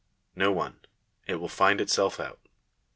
No one : it will find itself ont.